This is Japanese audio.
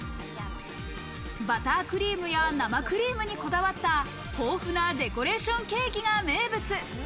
バタークリームや生クリームにこだわった豊富なデコレーションケーキが名物。